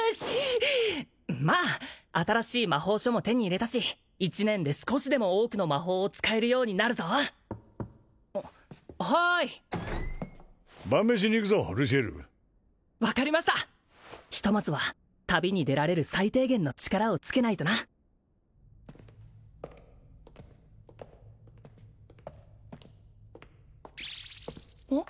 まあ新しい魔法書も手に入れたし１年で少しでも多くの魔法を使えるようになるぞはーい晩飯に行くぞルシエル分かりましたひとまずは旅に出られる最低限の力をつけないとなおっ？